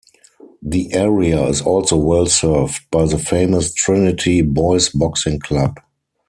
The area is also well served by the famous Trinity Boys Boxing Club.